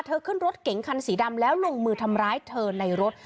ขึ้นรถเก๋งคันสีดำแล้วลงมือทำร้ายเธอในรถ